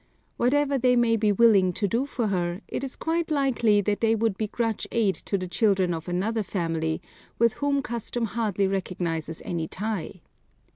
Whatever they may be willing to do for her, it is quite likely that they would begrudge aid to the children of another family, with whom custom hardly recognizes any tie.